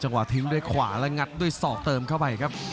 ทิ้งด้วยขวาและงัดด้วยศอกเติมเข้าไปครับ